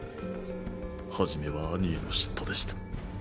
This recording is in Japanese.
初めは兄への嫉妬でした。